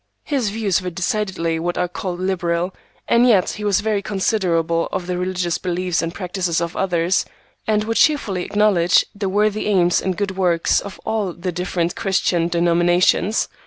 His views were decidedly what are called liberal, and yet he was very considerate of the religious beliefs and practices of others, and would cheerfully acknowledge the worthy aims and good works of all the different Christian denominations.